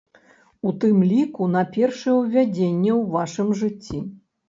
У тым ліку на першае ўвядзенне ў вашым жыцці.